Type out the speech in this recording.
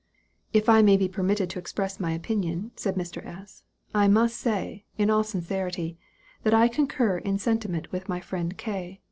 "If I may be permitted to express my opinion," said Mr. S. "I must say, in all sincerity, that I concur in sentiment with my friend K.